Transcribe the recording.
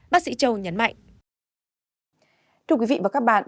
bác sĩ châu nhấn mạnh